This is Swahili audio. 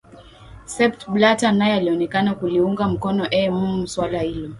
sepp blatter naye alionekana kuliunga mkono eeh muuh swala hilo